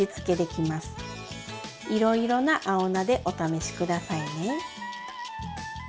いろいろな青菜でお試し下さいね。